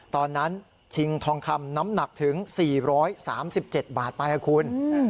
ตอนนั้นชิงทองคำน้ำหนักถึง๔๓๗บาทภายคุณ